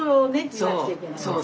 見なくちゃいけないわね。